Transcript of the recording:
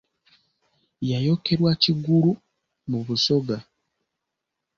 Yayokerwa Kigulu mu Busoga.